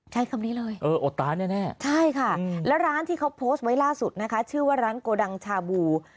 ใช้คำนี้เลยเอออดตาแน่ใช่ค่ะแล้วร้านที่เขาโพสต์ไว้ล่าสุดนะคะชื่อว่าร้านโกดังชาบู